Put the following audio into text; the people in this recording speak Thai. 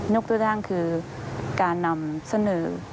นกด้วยด้านคือการนำเสนอ